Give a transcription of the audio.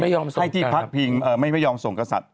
ไม่ใช่ยอมส่งกษัตริย์